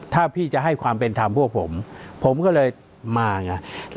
ถ้าพี่จะให้ความเป็นธรรมพวกผมผมก็เลยมาไง